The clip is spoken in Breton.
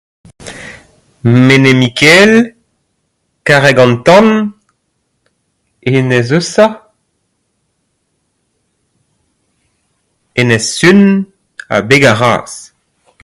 Menez-Mikael, Karreg an Tan, Enez-Eusa, Enez-Sun ha Beg ar Raz.